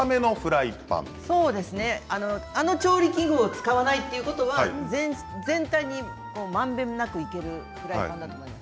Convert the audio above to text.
あの調理器具を使わないということは全体にまんべんなくいけるフライパンだと思うんです。